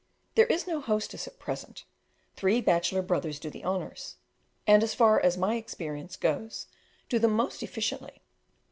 There is no hostess at present; three bachelor brothers do the honours, and, as far as my experience goes, do them most efficiently.